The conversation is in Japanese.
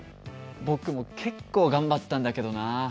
僕も結構頑張ったんだけどな。